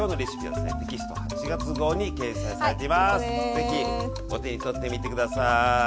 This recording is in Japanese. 是非お手に取って見て下さい！